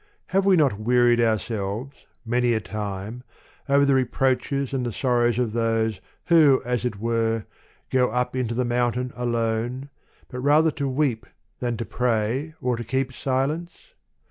Have we not wearied ourselves, many a time, over the reproaches and the sorrows of those, who, as it were, go up into the mountain alone, but rather to weep, than to pray, or to keep silence